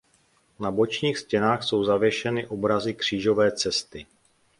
Na bočních stěnách jsou zavěšeny obrazy Křížové cesty.